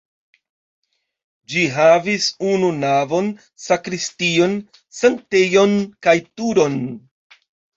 Ĝi havis unu navon, sakristion, sanktejon kaj turon.